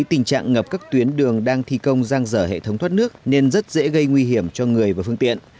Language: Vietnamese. tình trạng ngập các tuyến đường đang thi công giang dở hệ thống thoát nước nên rất dễ gây nguy hiểm cho người và phương tiện